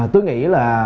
tôi nghĩ là